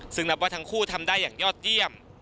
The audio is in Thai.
ซึ่งนับว่าทั้งคู่ทำได้อย่างยอดเยี่ยม